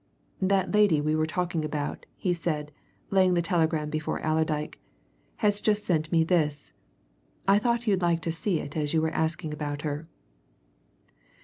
"That lady we were talking about," he said, laying the telegram before Allerdyke, "has just sent me this. I thought you'd like to see it as you were asking about her."